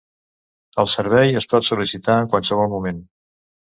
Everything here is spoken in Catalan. El servei es pot sol·licitar en qualsevol moment.